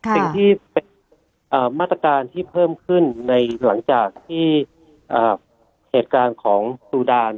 สิ่งที่เป็นมาตรการที่เพิ่มขึ้นในหลังจากที่เหตุการณ์ของซูดาน